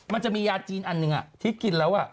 มันจะมียาจีนอันหนึ่งที่กินแล้ว